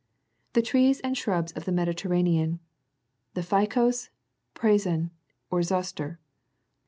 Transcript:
THE TREES AND SHRTJBS OE THE MEDITER RANEAN. THE PHTCOS, PRASON, OR ZOSTER.